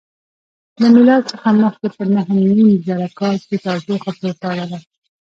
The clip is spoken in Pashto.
له میلاد څخه مخکې په نهه نیم زره کال کې تودوخه پورته لاړه.